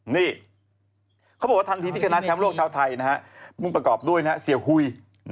นี่เขาบอกว่าทันทีที่ชนะแชมป์โลกชาวไทยมุ่งประกอบด้วยเสียหุย